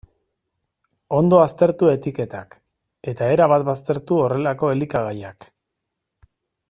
Ondo aztertu etiketak, eta erabat baztertu horrelako elikagaiak.